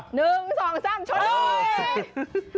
หนึ่งสองสามโชคดี